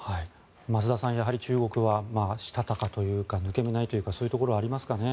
増田さんやはり中国はしたたかというか抜け目ないというかそういうところがありますかね。